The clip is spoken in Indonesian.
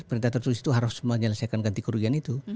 perintah tertulis itu harus menyelesaikan ganti kerugian itu